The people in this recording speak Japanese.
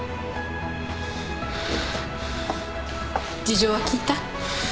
事情は聞いた？